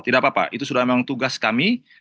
tidak apa apa itu sudah memang tugas kami